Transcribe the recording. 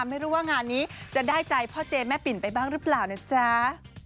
ไม่รู้ว่างานนี้จะได้ใจพ่อเจแม่ปิ่นไปบ้างหรือเปล่านะจ๊ะ